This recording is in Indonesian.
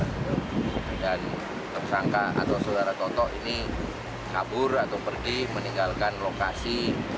dan tersangka atau saudara toto ini kabur atau pergi meninggalkan lokasi